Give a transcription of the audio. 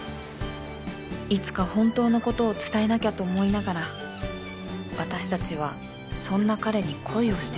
いつか本当の事を伝えなきゃと思いながら私たちはそんな彼に恋をしてしまった